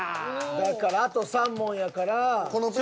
だからあと３問やから。